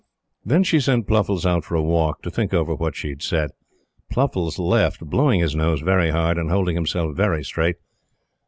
Then she sent Pluffles out for a walk, to think over what she had said. Pluffles left, blowing his nose very hard and holding himself very straight.